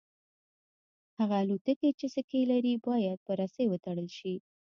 هغه الوتکې چې سکي لري باید په رسۍ وتړل شي